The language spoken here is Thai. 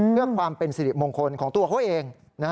เพื่อความเป็นสิริมงคลของตัวเขาเอง